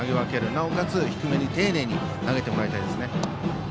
なおかつ、低めに丁寧に投げてもらいたいですね。